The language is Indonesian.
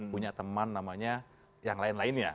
punya teman namanya yang lain lain ya